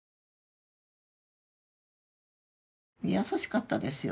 優しかったですよ